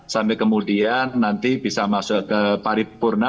sampai kemudian nanti bisa masuk ke paripurna